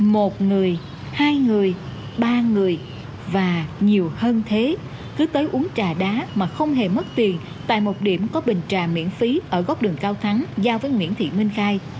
một người hai người ba người và nhiều hơn thế cứ tới uống trà đá mà không hề mất tiền tại một điểm có bình trà miễn phí ở góc đường cao thắng giao với nguyễn thị minh khai